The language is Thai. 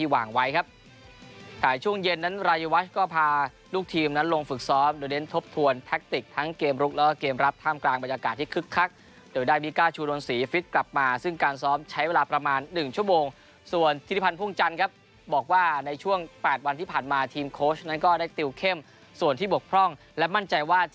ไว้ครับถ่ายช่วงเย็นนั้นรายวัชก็พาลูกทีมนั้นลงฝึกซ้อมโดยเด้นทบทวนแท็กติกทั้งเกมลุกแล้วก็เกมรับท่ามกลางบรรยากาศที่คึกคักโดยได้มีก้าชูโดนสีฟิตกลับมาซึ่งการซ้อมใช้เวลาประมาณ๑ชั่วโมงส่วนธิพันธ์พุ่งจันครับบอกว่าในช่วง๘วันที่ผ่านมาทีมโค้ชนั้นก็ได้ต